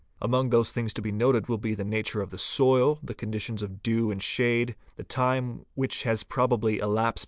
Among those things to be noted will be the nature of the soil, | the conditions of dew and shade, the time which has probably elapsed